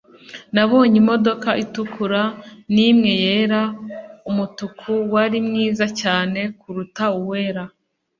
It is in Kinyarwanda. Nabonye imodoka itukura nimwe yera Umutuku wari mwiza cyane kuruta uwera